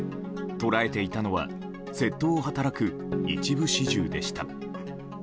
捉えていたのは窃盗を働く一部始終でした。